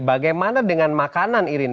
bagaimana dengan makanan irin